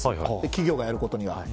企業がやることには。